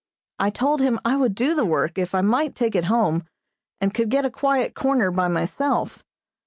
I told him I would do the work if I might take it home, and could get a quiet corner by myself.